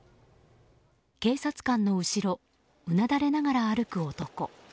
警察官の後ろをうなだれながら歩く男。